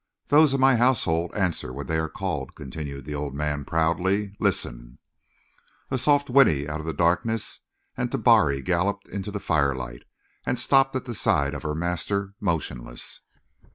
"Those of my household answer when they are called," continued the old man proudly. "Listen!" A soft whinny out of the darkness, and Tabari galloped into the firelight, and stopped at the side of her master motionless.